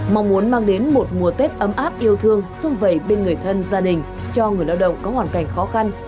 mong muốn mang đến một mùa tết ấm áp yêu thương xung vầy bên người thân gia đình cho người lao động có hoàn cảnh khó khăn